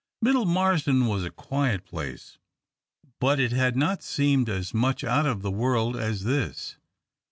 Middle Marsden was a quiet place, but it had not seemed as much out of the world as this.